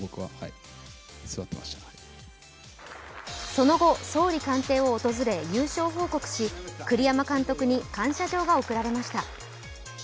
その後、総理官邸を訪れ優勝報告し、栗山監督に感謝状が贈られました。